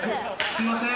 すいません。